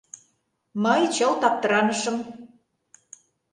Мый чылт аптыранышым.